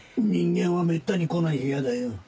人間はめったに来ない部屋だよ。